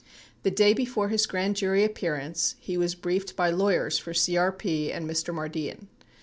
The day before his grand jury appearance he was briefed by lawyers for CRP and Mr. Mardian.